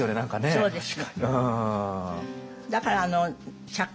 そうです。